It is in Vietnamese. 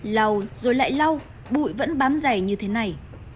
lâu rồi lại lâu bụi vẫn bám dày như thế này